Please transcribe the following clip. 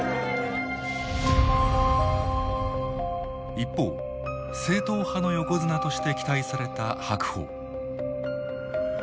一方正統派の横綱として期待された白鵬。